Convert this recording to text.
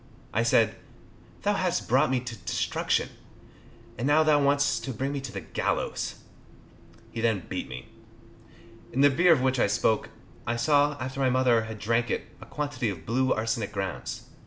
I said, "Thou hast brought me to destruction, and now thou wants to bring me to the gallows." He then beat me. In the beer of which I spoke, I saw, after my mother had drank it, a quantity of blue arsenic grounds.